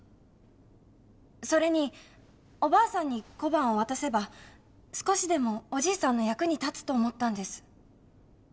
それにおばあさんに小判を渡せば少しでもおじいさんの役に立つと思ったんです。